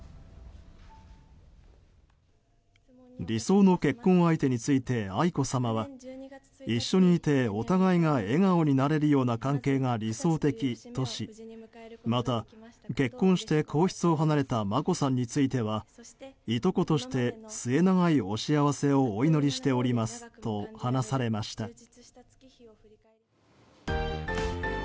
理想の結婚相手について愛子さまは一緒にいてお互いが笑顔になれるような関係が理想的としまた、結婚して皇室を離れた眞子さんについてはいとことして末永いお幸せをお祈りしておりますと話されました。